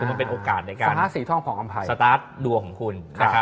คือมันเป็นโอกาสในการสตาร์ทดวงของคุณ